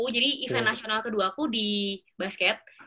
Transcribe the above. jadi event nasional kedua aku di basket